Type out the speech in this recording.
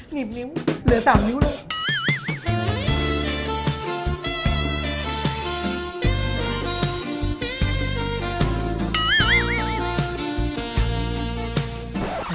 หนีบนิ้วเหลือ๓นิ้วเลย